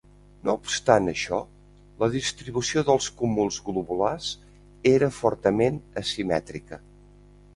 No obstant això, la distribució dels cúmuls globulars era fortament asimètrica.